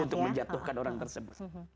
untuk menjatuhkan orang tersebut